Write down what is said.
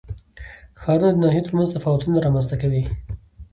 ښارونه د ناحیو ترمنځ تفاوتونه رامنځ ته کوي.